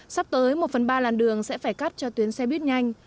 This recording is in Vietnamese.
sắp tới một phần ba làn đường sẽ phải cắt cho tuyến xe buýt nhanh